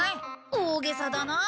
大げさだなあ。